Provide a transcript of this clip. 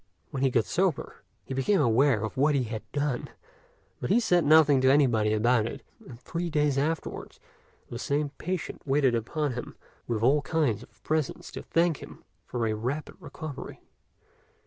When he got sober, he became aware of what he had done; but he said nothing to anybody about it, and three days afterwards the same patient waited upon him with all kinds of presents to thank him for a rapid recovery.